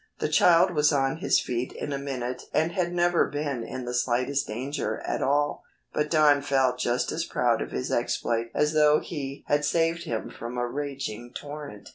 The child was on his feet in a minute and had never been in the slightest danger at all, but Don felt just as proud of his exploit as though he had saved him from a raging torrent.